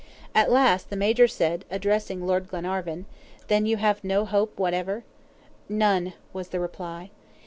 At last the Major said, addressing Lord Glenarvan: "Then you have no hope whatever?" "None," was the reply.